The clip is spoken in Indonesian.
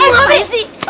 eh apaan sih